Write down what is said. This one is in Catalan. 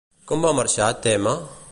Com va marxar Temme?